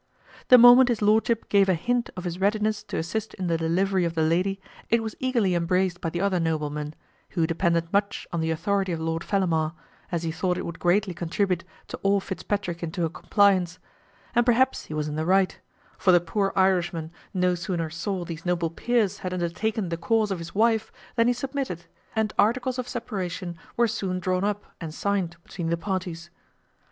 The moment his lordship gave a hint of his readiness to assist in the delivery of the lady, it was eagerly embraced by the other nobleman, who depended much on the authority of Lord Fellamar, as he thought it would greatly contribute to awe Fitzpatrick into a compliance; and perhaps he was in the right; for the poor Irishman no sooner saw these noble peers had undertaken the cause of his wife than he submitted, and articles of separation were soon drawn up and signed between the parties.